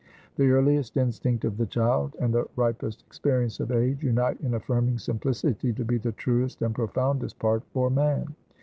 The earliest instinct of the child, and the ripest experience of age, unite in affirming simplicity to be the truest and profoundest part for man.